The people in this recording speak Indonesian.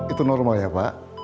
itu normal ya pak